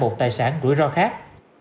một tài sản rủi ro khác